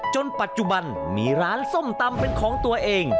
จนปัจจุบันมีร้านส้มตำเป็นของตัวเอง